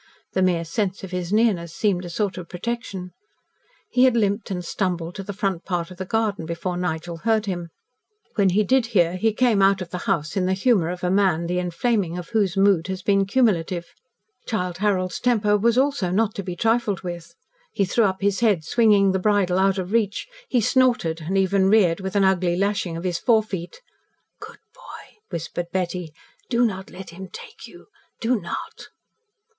The mere sense of his nearness seemed a sort of protection. He had limped and stumbled to the front part of the garden before Nigel heard him. When he did hear, he came out of the house in the humour of a man the inflaming of whose mood has been cumulative; Childe Harold's temper also was not to be trifled with. He threw up his head, swinging the bridle out of reach; he snorted, and even reared with an ugly lashing of his forefeet. "Good boy!" whispered Betty. "Do not let him take you do not!"